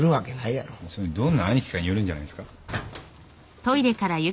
どんな兄貴かによるんじゃないすか。